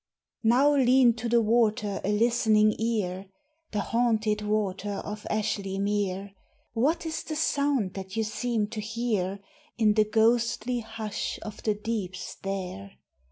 Now lean to the water a listening ear, The haunted water of Ashly Mere: What is the sound that you seem to hear In the ghostly hush of the deeps there?